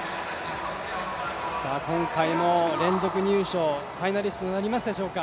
今回も連続入賞、ファイナリストとなりますでしょうか。